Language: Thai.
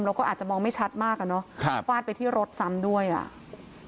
เราก็อาจจะมองไม่ชัดมากอ่ะเนอะครับฟาดไปที่รถซ้ำด้วยอ่ะ